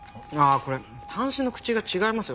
これ端子の口が違いますよ。